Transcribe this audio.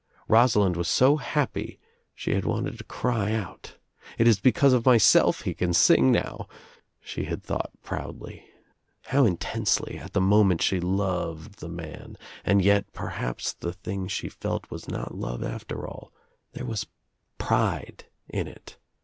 Rosalind was so happy she had wanted to cry out. "It Is because of myself he can sing now," she had thought proudly. How intensely, at the moment she loved the man, and yet perhaps the thing she felt was not love after all. There was pride in it.